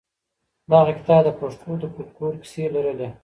دغه کتاب د پښتنو د فولکلور کیسې لرلې.